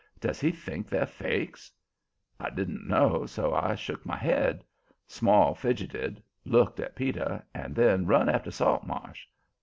Does he think they're fakes?" I didn't know, so I shook my head. Small fidgetted, looked at Peter, and then run after Saltmarsh.